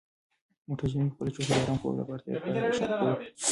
موټر چلونکی خپله چوکۍ د ارام خوب لپاره تر پایه شاته کوي.